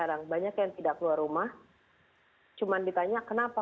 ada yang tidak keluar rumah cuma ditanya kenapa